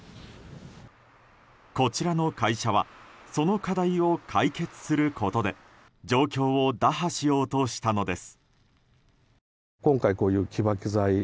こちらの会社はその課題を解決することで状況を打破しようとしたのです。